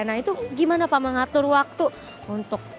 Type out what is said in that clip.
nah itu gimana pak mengatur waktu untuk